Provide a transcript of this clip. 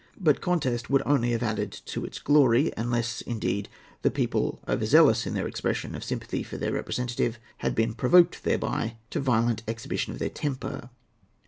But contest would only have added to its glory; unless, indeed, the people, over zealous in their expression of sympathy for their representative, had been provoked thereby to violent exhibition of their temper.